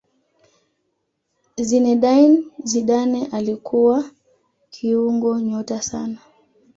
zinedine zidane alikuwa kiungo nyota sana